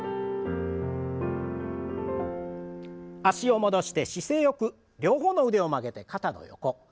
脚を戻して姿勢よく両方の腕を曲げて肩の横。